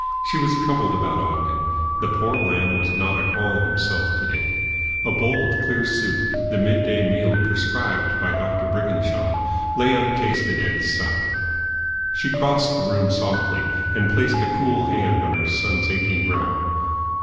She was troubled about Ogden. The poor lamb was not at all himself to day. A bowl of clear soup, the midday meal prescribed by Doctor Briginshaw, lay untasted at his side. She crossed the room softly, and placed a cool hand on her son's aching brow.